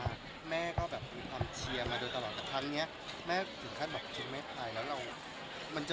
ในความรู้สึกความสนิทสนมความห่วงใยดูแลสิ้นกันและกันอะไรอย่างนี้